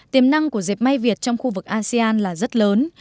tiềm năng của dẹp may việt trong khu vực asean là rất lớn